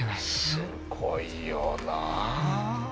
すごいよな。